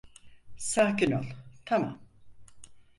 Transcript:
Sakin ol, tamam.